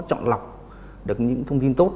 trọng lọc được những thông tin tốt